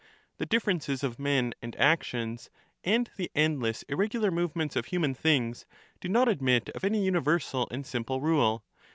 The differences of men and actions, and the endless irregular movements of human things, do not admit law ; of any universal and simple rule.